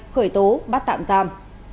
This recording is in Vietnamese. khởi tố bắt tạm giam